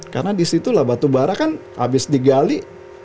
karena disitulah batu bara kan habis digali